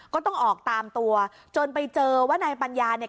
ก็ต้องออกตามตัวจนไปเจอว่านายปัญญาเนี่ย